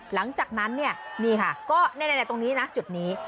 หลังจากนั้นเนี่ยนี่ค่ะก็ตรงนี้นะจุดนี้